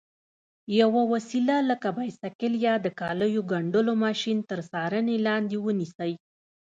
یوه وسیله لکه بایسکل یا د کالیو ګنډلو ماشین تر څارنې لاندې ونیسئ.